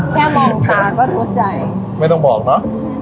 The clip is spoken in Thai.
พูดไม่ออกแค่มองตาก็โทษใจไม่ต้องบอกน่ะ